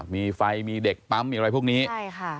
มีไฟมีเด็กปั๊มมีอะไรพวกนี้ใช่ค่ะ